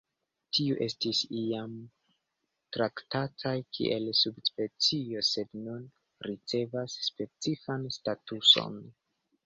Tiu estis iam traktataj kiel subspecio, sed nun ricevas specifan statuson.